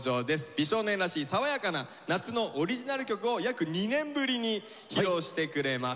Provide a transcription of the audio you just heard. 美少年らしい爽やかな夏のオリジナル曲を約２年ぶりに披露してくれます。